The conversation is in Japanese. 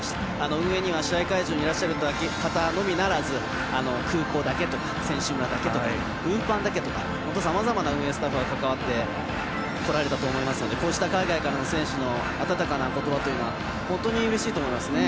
運営には試合会場にいらっしゃる方のみならず空港だけとか選手村、運搬だけとか本当にさまざまな運営スタッフが関わってこられたと思いますのでこうした海外からの選手の温かなことばというのは本当にうれしいと思いますね。